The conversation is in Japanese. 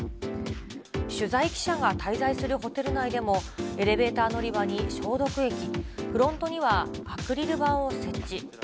取材記者が滞在するホテル内でも、エレベーター乗り場に消毒液、フロントにはアクリル板を設置。